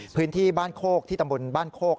พื้นที่บ้านโคกที่ตำบลบ้านโคก